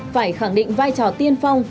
phải khẳng định vai trò tiên phong